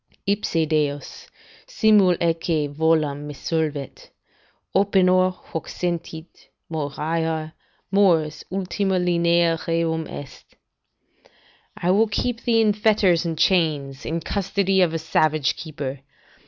Ipse Deus, simul atque volam, me solvet. Opinor, Hoc sentit; moriar; mors ultima linea rerum est." ["I will keep thee in fetters and chains, in custody of a savage keeper.